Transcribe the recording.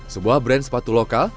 sebuah brand sepatu lokal